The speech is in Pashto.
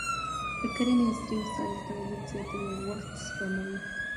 د کرنې عصري وسایل تولید زیاتوي او وخت سپموي.